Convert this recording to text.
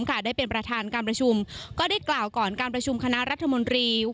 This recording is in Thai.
ได้เป็นประธานการประชุมก็ได้กล่าวก่อนการประชุมคณะรัฐมนตรี